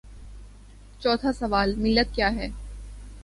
چوتھا سوال: ملت کیاہے؟